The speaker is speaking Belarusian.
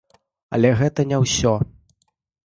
Але гэта не ўсё!